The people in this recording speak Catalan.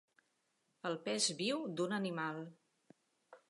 El pes viu d'un animal.